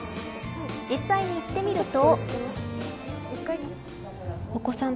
実際に行ってみると。